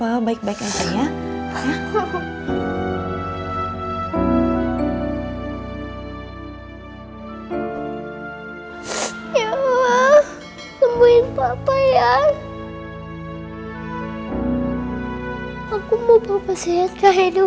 ricky meninggal itu